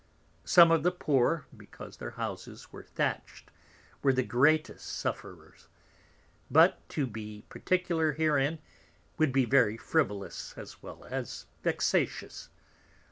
Some of the Poor, because their Houses were Thatch'd, were the greatest sufferers; but to be particular herein, would be very frivolous, as well as vexatious.